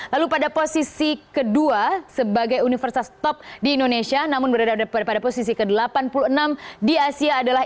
lalu pada posisi kedua sebagai universitas top di indonesia namun berada pada posisi ke delapan puluh enam di asia adalah